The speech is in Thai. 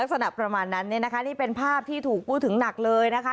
ลักษณะประมาณนั้นเนี่ยนะคะนี่เป็นภาพที่ถูกพูดถึงหนักเลยนะคะ